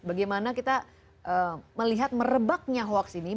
bagaimana kita melihat merebaknya hoax ini